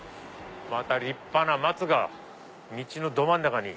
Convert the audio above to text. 立派なマツが道のど真ん中に。